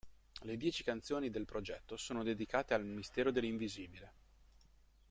Le dieci canzoni del progetto sono dedicate al mistero dell’Invisibile.